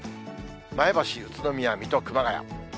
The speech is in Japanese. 前橋、宇都宮、水戸、熊谷。